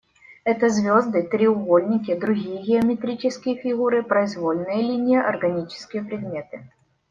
Это звезды, треугольники, другие геометрические фигуры, произвольные линии, органические предметы.